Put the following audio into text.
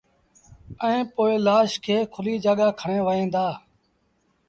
ائيٚݩ پو لآش کي کُليٚ جآڳآ کڻي وهيݩ دآ